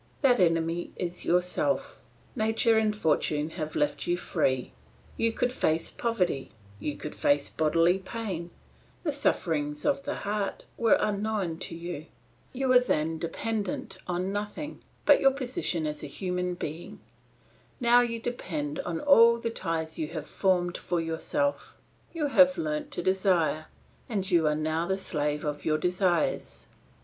That enemy is yourself. Nature and fortune had left you free. You could face poverty, you could bear bodily pain; the sufferings of the heart were unknown to you; you were then dependent on nothing but your position as a human being; now you depend on all the ties you have formed for yourself; you have learnt to desire, and you are now the slave of your desires.